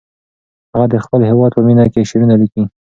هغه د خپل هېواد په مینه کې شعرونه لیکي.